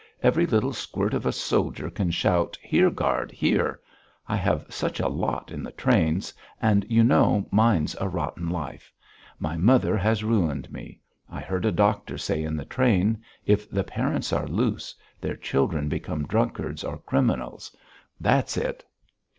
Every little squirt of a soldier can shout: 'Here guard! Here!' I have such a lot in the trains and you know, mine's a rotten life! My mother has ruined me! I heard a doctor say in the train, if the parents are loose, their children become drunkards or criminals. That's it."